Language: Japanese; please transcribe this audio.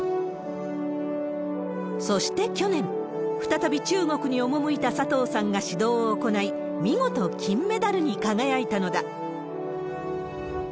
そして去年、再び中国に赴いた佐藤さんが指導を行い、見事金メダルに輝いたのだ。